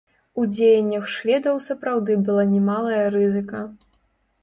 У дзеяннях шведаў сапраўды была немалая рызыка.